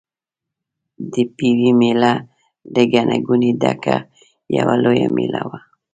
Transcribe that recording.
د پېوې مېله له ګڼې ګوڼې ډکه یوه لویه مېله وه.